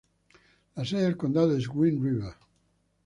La sede del condado es Green River.